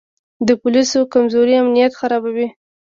د پولیسو کمزوري امنیت خرابوي.